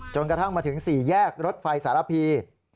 กระทั่งมาถึง๔แยกรถไฟสารพี